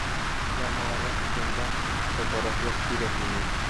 Ярмаларға килгәндә, тотороҡлолоҡ күҙәтелмәй.